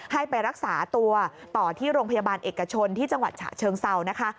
ให้ไปรักษาตัวต่อที่โรงพยาบาลเอกชนที่จังหวัดฉะเชิงเซานะคะ